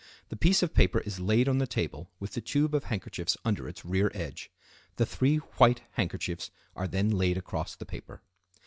The piece of paper is laid on the table with the tube of handkerchiefs under its rear edge. The three white handkerchiefs are then laid across the paper.